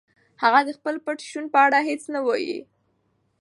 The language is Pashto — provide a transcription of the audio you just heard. هغه د خپل پټ شتون په اړه هیڅ نه وايي.